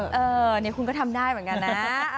เออเนี่ยคุณก็ทำได้เหมือนกันนะ